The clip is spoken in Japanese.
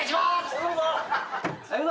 頼むぞ。